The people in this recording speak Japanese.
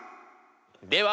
では。